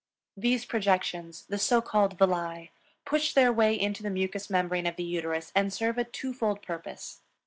These projections, the so called Villi, push their way into the mucous membrane of the uterus and serve a two fold purpose.